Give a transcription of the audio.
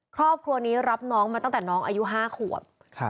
ครอบครัวนี้รับน้องมาตั้งแต่น้องอายุ๕ขวบ